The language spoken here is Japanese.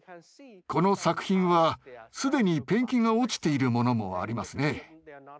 この作品は既にペンキが落ちているものもありますね。